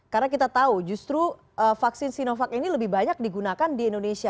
karena kita tahu justru vaksin sinovac ini lebih banyak digunakan di indonesia